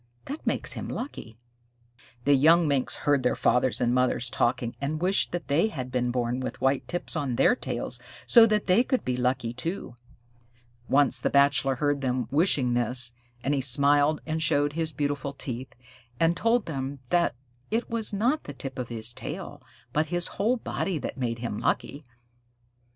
"That makes him lucky." The young Minks heard their fathers and mothers talking, and wished that they had been born with white tips on their tails so that they could be lucky too. Once the Bachelor heard them wishing this, and he smiled and showed his beautiful teeth, and told them that it was not the tip of his tail but his whole body that made him lucky.